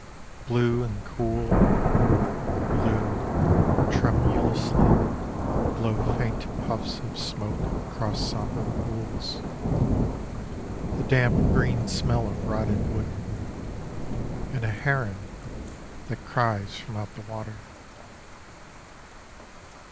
Blue and cool: Blue, tremulously, Blow faint puffs of smoke Across sombre pools. The damp green smell of rotted wood; And a heron that cries from out the water.